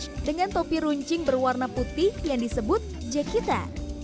check dengan topi runcing berwarna putih yang disebut jakita